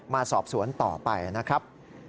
มาสอบสวนต่อไปนะครับ